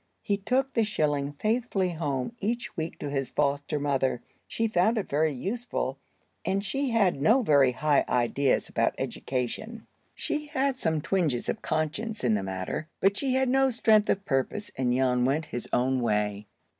He took the shilling faithfully home each week to his foster mother. She found it very useful, and she had no very high ideas about education. She had some twinges of conscience in the matter, but she had no strength of purpose, and Jan went his own way.